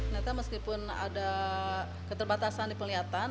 neta meskipun ada keterbatasan di penlihatan